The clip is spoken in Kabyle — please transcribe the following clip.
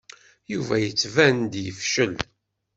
Yuba yettban-d yefcel.